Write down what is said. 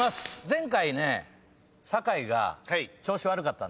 前回ね酒井が調子悪かったんだよね。